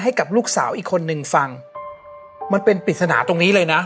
ให้กับลูกสาวอีกคนนึงฟังมันเป็นปริศนาตรงนี้เลยนะ